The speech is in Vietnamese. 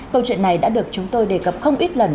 câu chuyện này đã được chúng tôi đề cập không ít lần